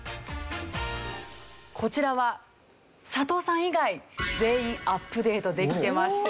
こちらは佐藤さん以外全員アップデートできてました。